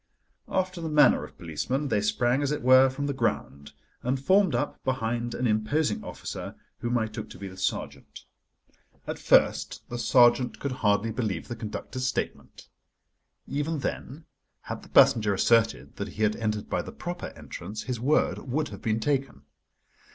After the manner of policemen, they sprang, as it were, from the ground, and formed up behind an imposing officer, whom I took to be the sergeant. At first the sergeant could hardly believe the conductor's statement. Even then, had the passenger asserted that he had entered by the proper entrance, his word would have been taken.